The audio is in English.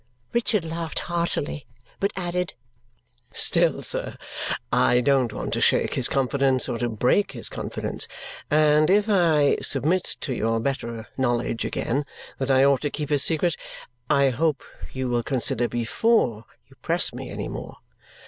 '" Richard laughed heartily but added, "Still, sir, I don't want to shake his confidence or to break his confidence, and if I submit to your better knowledge again, that I ought to keep his secret, I hope you will consider before you press me any more.